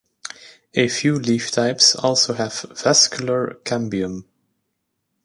A few leaf types also have a vascular cambium.